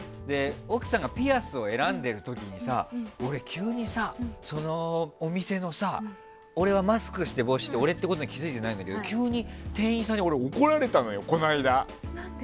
奥さんがピアスを選んでる時にさ俺、急にさ、そのお店でさ俺はマスクをして帽子をして俺ってことに気づいてないんだけど急に店員さんに怒られたのよ、この間。